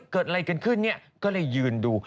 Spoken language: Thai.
เกิดอะไรกันขึ้นเนี่ยก็เลยยืนดู